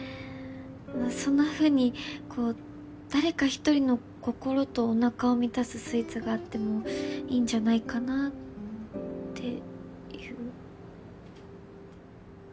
そんなふうにこう誰か一人の心とおなかを満たすスイーツがあってもいいんじゃないかなっていう。